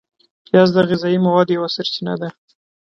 پیاز د غذایي موادو یوه سرچینه ده